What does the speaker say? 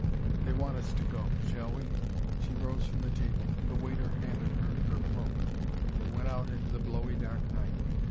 They want us to go. Shall we?" She rose from the table. The waiter handed her her cloak, and they went out into the blowy dark night.